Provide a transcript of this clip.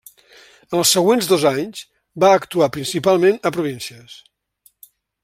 En els següents dos anys va actuar principalment a províncies.